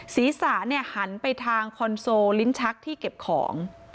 ศีรษะหันไปทางคอนโซลลิ้นชักที่เก็บของ